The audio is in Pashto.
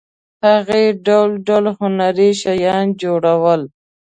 هغې ډول ډول هنري شیان جوړول.